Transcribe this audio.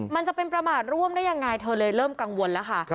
มันจะเป็นประมาทร่วมได้ยังไงเธอเลยเริ่มกังวลแล้วค่ะ